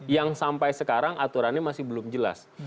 yang sampai sekarang aturannya masih belum jelas